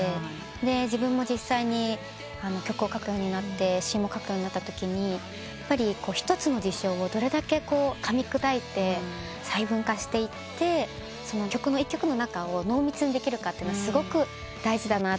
で自分も実際に曲を書くようになって詞も書くようになったときに一つの事象をどれだけかみ砕いて細分化していって一曲の中を濃密にできるかってすごく大事だなって。